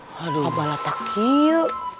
waduh abalat takil